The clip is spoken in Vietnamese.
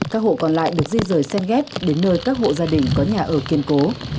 các hộ còn lại được di rời sen ghép đến nơi các hộ gia đình có nhà ở kiên cố